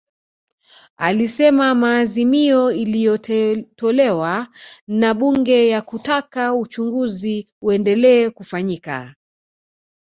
Alisema maazimio yaliyotolewa na Bunge ya kutaka uchunguzi uendelee kufanyika